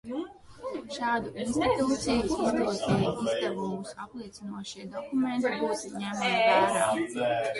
Šādu institūciju izdotie izdevumus apliecinošie dokumenti būtu ņemami vērā.